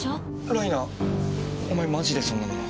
ライナお前マジでそんなもの。